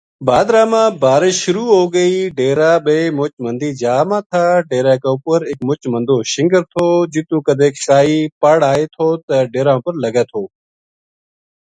بھادرا ما بارش شروع ہو گئی ڈیرا بے مُچ مندی جا ما تھا ڈیرا کے اُپر ایک مُچ مندو شنگر تھو جِتو کدے کائی پڑ آئے تھو تے ڈیراں اپر لگے تھو۔